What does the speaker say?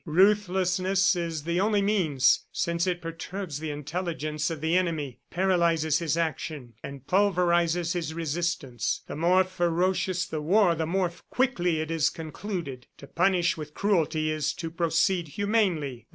Ruthlessness is the only means, since it perturbs the intelligence of the enemy, paralyzes his action and pulverizes his resistance. The more ferocious the war, the more quickly it is concluded. To punish with cruelty is to proceed humanely.